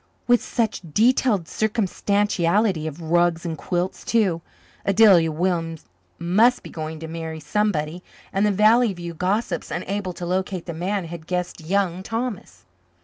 With such detailed circumstantiality of rugs and quilts, too? Adelia Williams must be going to marry somebody, and the Valley View gossips, unable to locate the man, had guessed Young Thomas.